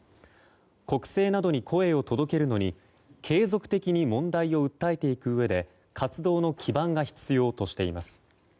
国政などに声を届けるのに継続的に問題を訴えていくうえで活動の基盤が必要としています。